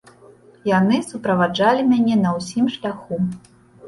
Яны суправаджалі мяне на ўсім шляху.